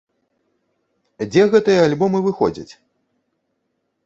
Дзе гэтыя альбомы выходзяць?